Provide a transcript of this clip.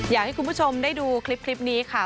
อยากให้คุณผู้ชมได้ดูคลิปนี้ค่ะ